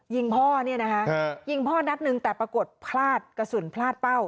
ยิงพ่อเนี่ยนะคะยิงพ่อนัดหนึ่งแต่ปรากฏพลาดกระสุนพลาดเป้า